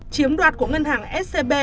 chiếm đoạt của ngân hàng scb